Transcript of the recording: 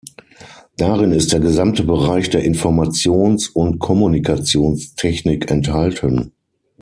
Darin ist der gesamte Bereich der Informations- und Kommunikationstechnik enthalten.